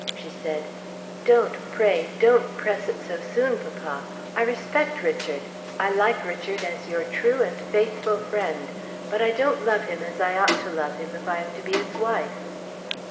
She said, 'Don't, pray don't press it so soon, papa! I respect Richard; I like Richard as your true and faithful friend; but I don't love him as I ought to love him if I am to be his wife.'